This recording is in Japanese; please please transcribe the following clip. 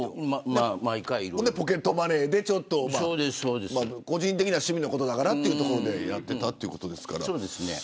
ポケットマネーで個人的な趣味のことだからということでやっていたということですが。